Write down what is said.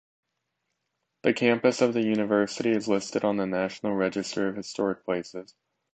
The campus of the university is listed on the National Register of Historic Places.